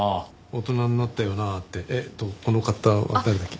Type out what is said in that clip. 「大人になったよなあ」ってえっとこの方は誰だっけ？